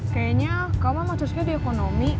kayaknya kamu emang terus ke di ekonomi